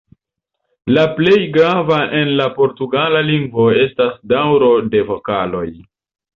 La plej grava en la portugala lingvo estas daŭro de vokaloj.